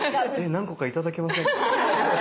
何個か頂けませんか？